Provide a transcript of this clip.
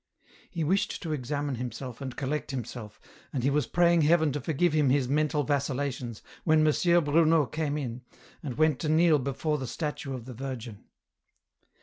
He wished to examine himself and collect himself, and he was praying Heaven to forgive him his mental vacillations /vhen M. Bruno came in, and went to kneel before the statue of the Virgin.